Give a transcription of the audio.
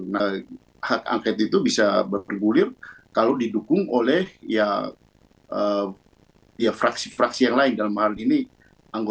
nah hak angket itu bisa berpenggulir kalau didukung oleh fraksi fraksi yang lain dalam hal ini anggota anggota dpr yang lain